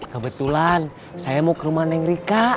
kebetulan saya mau ke rumah neng rika